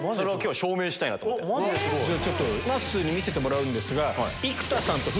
まっすーに見せてもらうんですが。